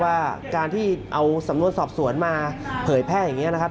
ว่าการที่เอาสำนวนสอบสวนมาเผยแพร่อย่างนี้นะครับ